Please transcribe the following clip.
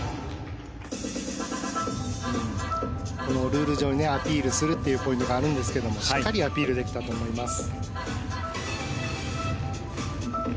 ルール上、アピールするというポイントがあるんですがしっかりアピールできたと思います。